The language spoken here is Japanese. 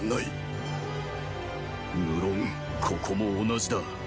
無論ここも同じだ。